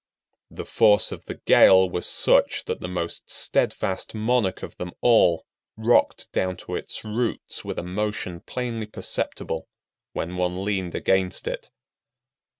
The force of the gale was such that the most steadfast monarch of them all rocked down to its roots with a motion plainly perceptible when one leaned against it.